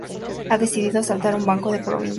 Han decidido asaltar un banco de provincia.